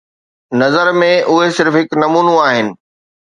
نظر ۾، اهي صرف هڪ نمونو آهن